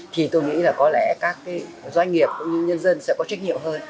thì tôi nghĩ là có lẽ các doanh nghiệp cũng như nhân dân sẽ có trách nhiệm hơn